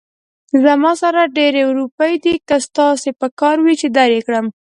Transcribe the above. زما سره ډېرې روپۍ دي، که ستاسې پکار وي، چې در يې کړم